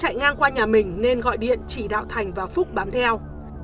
thịnh đang qua nhà mình nên gọi điện chỉ đạo thành và phúc bám theo